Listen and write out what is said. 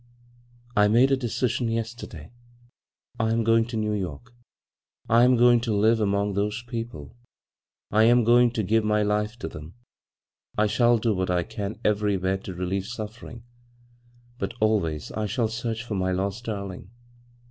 " I made a decision yes terday. I am going to New York. I am go ing to live among th{»e people ; I am going to g^ve my life to them. I shall do what I can everywhere to relieve suffering, but al ways I shall search for my lost darling.